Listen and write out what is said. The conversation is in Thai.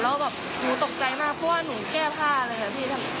แล้วแบบหนูตกใจมากเพราะว่าหนูแก้ผ้าเลยอะพี่